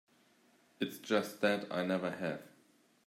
It's just that I never have.